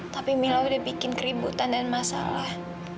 tapi mila udah bikin keributan dan masalah